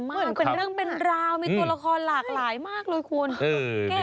เหมือนเป็นเรื่องเป็นราวมีตัวละครหลากหลายมากเลยคุณ